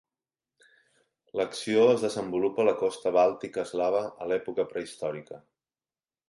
L'acció es desenvolupa a la costa bàltica eslava a l'època prehistòrica.